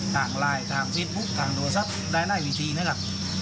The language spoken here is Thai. ทางไลน์ทางเฟซบุ๊คทางโทรศัพท์ไลน์หน้าอีกทีนะครับ